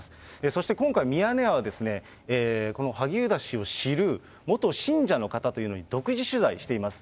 そして今回、ミヤネ屋はこの萩生田氏を知る元信者の方というのに独自取材しています。